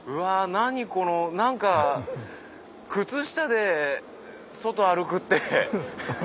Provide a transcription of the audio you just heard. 何この何か靴下で外歩くって。